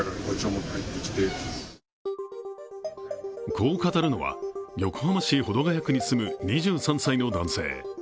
こう語るのは、横浜市保土ケ谷区に住む２３歳の男性。